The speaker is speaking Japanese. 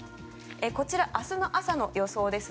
こちら、明日の朝の予想です。